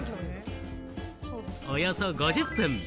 およそ５０分。